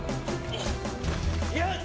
aku gak berani